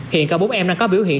hiện cả bốn em đang có biểu hiện